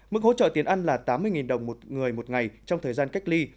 mức hỗ trợ tiền ăn là tám mươi đồng một người một ngày trong thời gian cách ly